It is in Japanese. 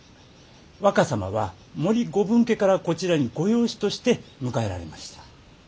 若様は母里ご分家からこちらにご養子として迎えられました。